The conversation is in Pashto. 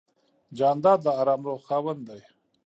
جانداد د آرام روح خاوند دی.